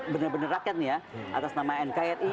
bener bener rakyat nih ya atas nama nkri